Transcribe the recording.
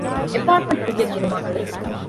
އެޕާޓްމަންޓް ކުއްޔަށް ދިނުމާ ގުޅޭ